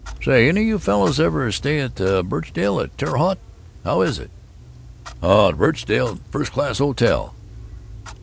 "Say, any of you fellows ever stay at the Birchdale at Terre Haute? How is it?" "Oh, the Birchdale is a first class hotel."